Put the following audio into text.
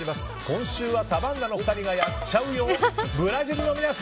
今週はサバンナの２人がやっちゃうよー！